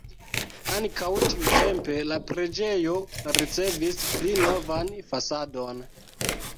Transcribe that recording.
Ankaŭ tiutempe la preĝejo ricevis pli novan fasadon.